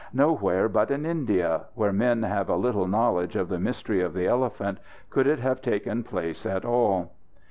Nowhere but in India, where men have a little knowledge of the mystery of the elephant, could it have taken place at all.